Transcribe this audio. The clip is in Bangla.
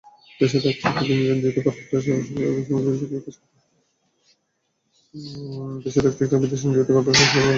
দেশে থাকতে একটা বিদেশি এনজিওতে করপোরেট সোশ্যাল রেসপনসিবিলিটি নিয়ে কাজ করতাম।